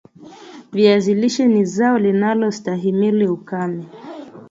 viazi lishe ni zao linalo stahimili ukame